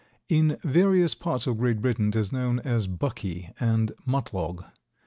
In various parts of Great Britain it is known as "buckie" and "mutlog."